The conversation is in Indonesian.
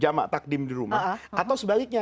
jamak takdim di rumah atau sebaliknya